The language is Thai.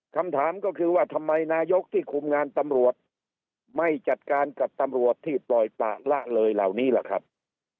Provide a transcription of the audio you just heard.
คำถามก็คือว่าทำไมนายกที่คุมงานตำรวจไม่จัดการกับตำรวจที่ปล่อยปะละเลยเหล่านี้ล่ะครับ